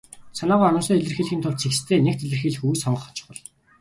Санаагаа оновчтой илэрхийлэхийн тулд цэгцтэй, нягт илэрхийлэх үгийг сонгох нь чухал.